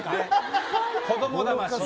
子供だまし。